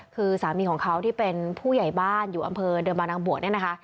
คือสามีของเขาที่เป็นผู้ใหญ่บ้านอยู่อำเภอเดิมบางนางบวชเนี่ยนะคะ